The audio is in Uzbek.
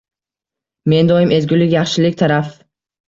Men doim ezgulik yaxshilik taraf